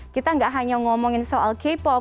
kita tidak hanya berbicara tentang k pop